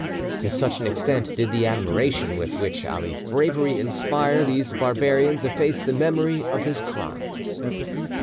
To such an extent did the admiration with which Ali's bravery inspired these barbarians efface the memory of his crimes.